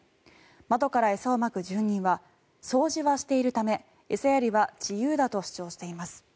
窓から餌をまく住人は掃除はしているため餌やりは自由だと主張しています。